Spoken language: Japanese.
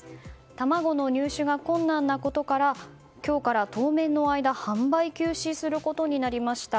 卵の入手が困難なことから今日から当面の間販売休止することになりました。